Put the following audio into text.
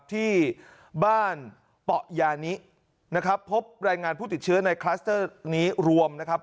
ที่บ้านเปาะยานินะครับพบรายงานผู้ติดเชื้อในคลัสเตอร์นี้รวมนะครับ